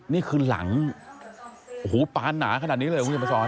นี่คือหลังหูปานหนาขนาดนี้เลยคุณภาคภูมิ